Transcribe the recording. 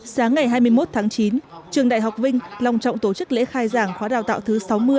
sáng ngày hai mươi một tháng chín trường đại học vinh lòng trọng tổ chức lễ khai giảng khóa đào tạo thứ sáu mươi